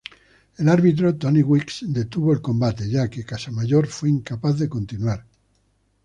El árbitro Tony Weeks detuvo el combate ya que Casamayor fue incapaz de continuar.